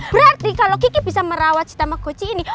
berarti kalo kiki bisa merawat si tamagoci ini